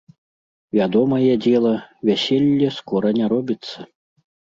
Вядомае дзела, вяселле скора не робіцца.